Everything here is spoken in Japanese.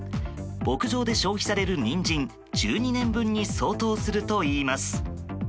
牧場で消費されるニンジン１２年分に相当するといいます。